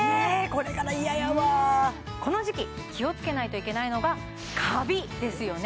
これからいややわこの時期気をつけないといけないのがカビですよね